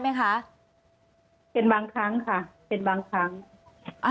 อันดับที่สุดท้าย